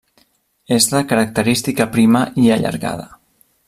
És de característica prima i allargada.